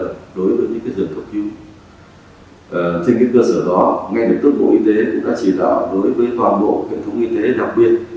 trên cơ sở đó ngay lập tức bộ y tế đã chỉ đạo đối với toàn bộ kết thúc y tế đặc biệt